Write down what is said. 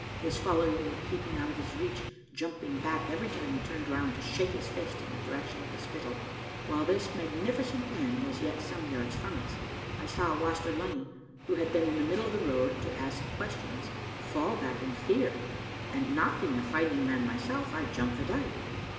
His following were keeping out of his reach, jumping back every time he turned round to shake his fist in the direction of the Spittal. While this magnifi cent man was yet some yards from us, I saw Waster Lunny, who had been in the middle of the road to ask questions, fall back in fear, and not being a fighting man myself, I jumped the dyke.